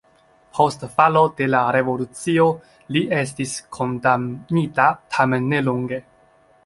Post falo de la revolucio li estis kondamnita, tamen ne longe.